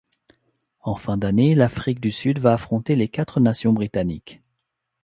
En fin d'année, l'Afrique du Sud va affronter les quatre nations britanniques.